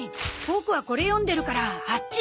ボクはこれ読んでるからあっち行け。